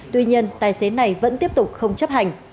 tuy nhiên tài xế này vẫn tiếp tục không chấp hành